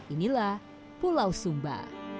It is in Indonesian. inilah pulau sumba